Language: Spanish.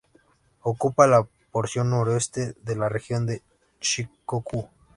Ocupa la porción noroeste de la región de Shikoku.